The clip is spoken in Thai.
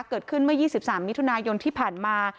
เกิดขึ้นเมื่อ๒๓มิถุนายนที่ผ่านมา